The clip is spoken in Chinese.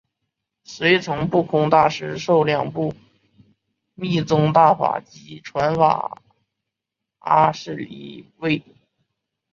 随从不空大师受两部密宗大法及传法阿阇黎位。